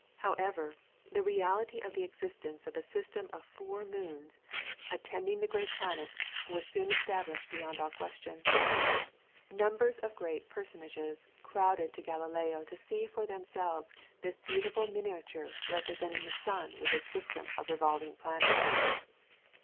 However, the reality of the existence of a system of four moons attending the great planet was soon established beyond all question. Numbers of great personages crowded to Galileo to see for themselves this beautiful miniature representing the sun with its system of revolving planets.